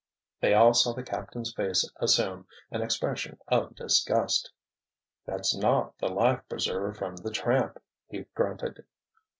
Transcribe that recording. They all saw the captain's face assume an expression of disgust. "That's not the life preserver from the Tramp," he grunted.